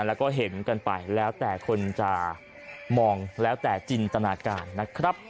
แล้วก็เห็นกันไปแล้วแต่คนจะมองแล้วแต่จินตนาการนะครับ